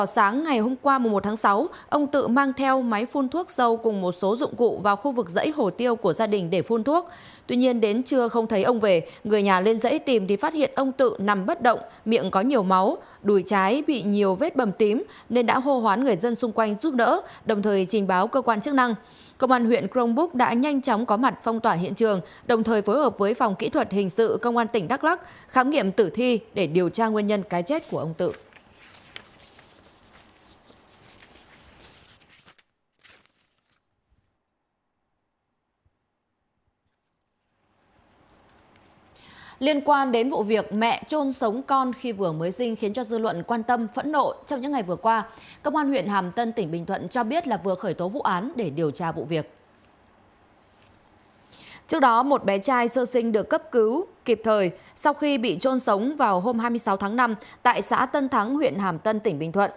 hai sơ sinh được cấp cứu kịp thời sau khi bị trôn sống vào hôm hai mươi sáu tháng năm tại xã tân thắng huyện hàm tân tỉnh bình thuận